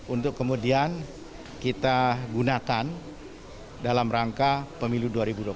untuk kemudian kita gunakan dalam rangka pemilu dua ribu dua puluh